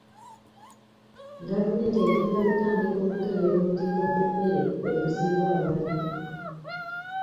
Gavumenti egenda kutandika okukebera mutindo gw'emmere eguzibwa abantu.